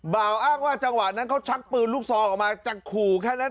บ่าวอ้างว่าจังหวะนั้นเขาชักปืนลูกซองออกมาจะขู่แค่นั้น